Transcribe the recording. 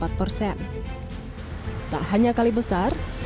proyek revitalisasi juga dilakukan di kali ciliwung